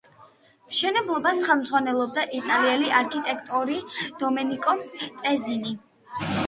მშენებლობას ხელმძღვანელობდა იტალიელი არქიტექტორი დომენიკო ტრეზინი.